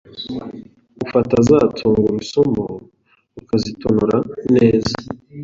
ufata za tungurusumu ukazitonora neza